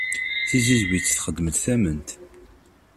Tizizwit txeddem-d tament.